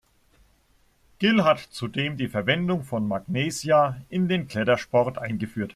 Gill hat zudem die Verwendung von Magnesia in den Klettersport eingeführt.